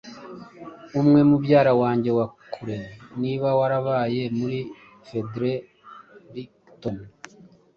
umwe mubyara wanjye wa kure. Niba warabaye muri Fredericton